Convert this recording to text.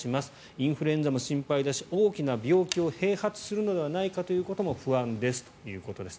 インフルエンザも心配だし大きな病気を併発するのではないかということも不安ですということです。